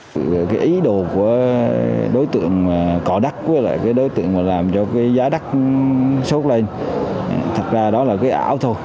cái ý đồ của đối tượng cỏ đắc với lại đối tượng làm cho giá đắc xốt lên thật ra đó là cái ảo thôi